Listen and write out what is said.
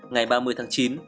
ngày ba mươi tháng chín